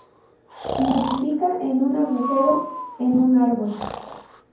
Nidifica en un agujero en un árbol.